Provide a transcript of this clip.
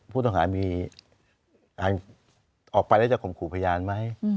ผู้ต้องหามีการออกไปแล้วจะข่มขู่พยานไหม